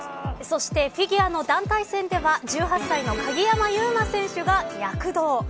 そして、フィギュアの団体戦では、１８歳の鍵山優真選手が躍動。